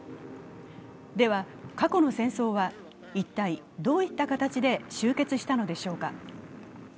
では、過去の戦争は一体、どういった形で終結したのでしょうか。